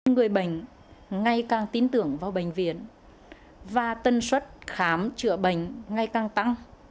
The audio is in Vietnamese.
người bệnh ngay càng tín tưởng vào bệnh viện và tân suất khám chữa bệnh ngay càng tăng